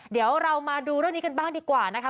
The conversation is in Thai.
เดี๋ยวเรามาดูเรื่องนี้กันบ้างดีกว่านะคะ